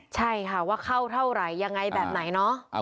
ใช่ค่ะว่าเข้าเท่าไหร่ยังไงแบบไหนเนาะ